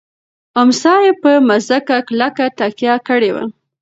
امسا یې په مځکه کلکه تکیه کړې وه.